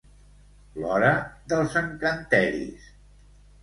L'hora dels encanteris.